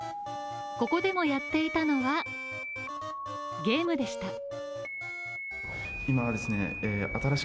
ここでもやっていたのはゲームでした。